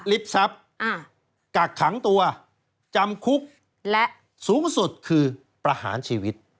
ทรัพย์กักขังตัวจำคุกและสูงสุดคือประหารชีวิต